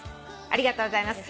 ありがとうございます。